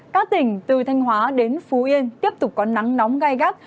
các tỉnh từ thanh hóa đến phú yên tiếp tục có nắng nóng gai gắt